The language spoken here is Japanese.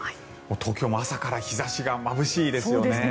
東京も朝から日差しがまぶしいですよね。